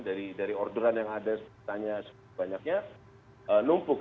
dari orderan yang ada sebanyaknya numpuk